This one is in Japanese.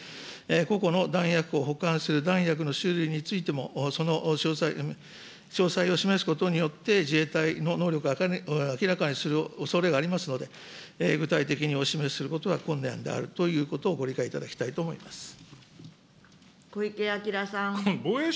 ここの弾薬庫を保管する弾薬の種類についても、その詳細を示すことによって自衛隊の能力を明らかにするおそれがありますので、具体的にお示しすることは困難であるということを小池晃さん。